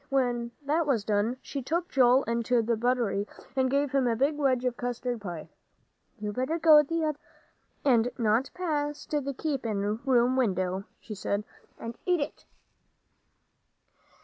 When that was done, she took Joel into the buttery and gave him a big wedge of custard pie. "You better go t'other way, and not past the keepin' room window," she said, "and eat it."